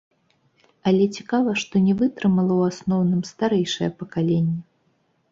Але цікава, што не вытрымала ў асноўным старэйшае пакаленне.